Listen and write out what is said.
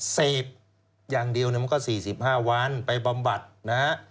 เสพอย่างเดียวมันก็๔๕วันไปบำบัดนะฮะ